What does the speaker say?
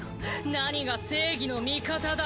何が正義の味方だ！